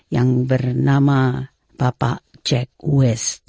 yang bernama bapak jack wis